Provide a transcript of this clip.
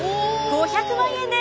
５００万円です。